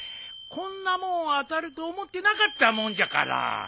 こんなもん当たると思ってなかったもんじゃから。